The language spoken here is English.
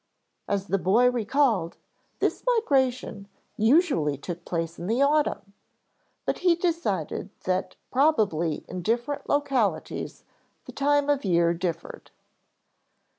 As the boy recalled, this migration usually took place in the autumn, but he decided that probably in different localities the time of year differed.